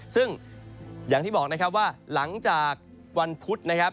ซึ่งอย่างที่บอกว่าหลังจากวันพุธ